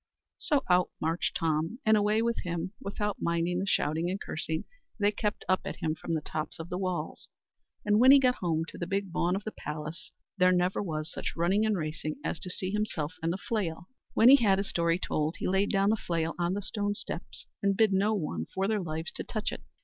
So out marched Tom, and away with him, without minding the shouting and cursing they kept up at him from the tops of the walls; and when he got home to the big bawn of the palace, there never was such running and racing as to see himself and the flail. When he had his story told, he laid down the flail on the stone steps, and bid no one for their lives to touch it.